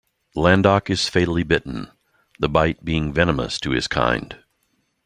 Landok is fatally bitten, the bite being venomous to his kind.